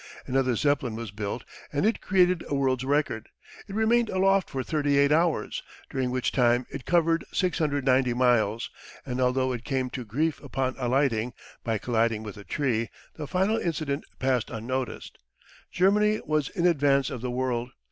Another Zeppelin was built and it created a world's record. It remained aloft for 38 hours, during which time it covered 690 miles, and, although it came to grief upon alighting, by colliding with a tree, the final incident passed unnoticed. Germany was in advance of the world.